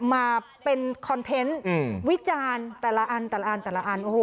มาเป็นคอนเทนต์วิจารแต่ละอัน